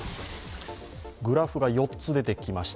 グラフが４つ出てきました。